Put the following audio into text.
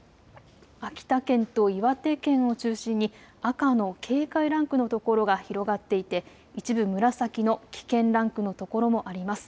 秋田県と岩手県を中心に赤の警戒ランクのところが広がっていて一部、紫の危険ランクのところもあります。